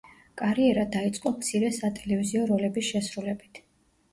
კარიერა დაიწყო მცირე სატელევიზიო როლების შესრულებით.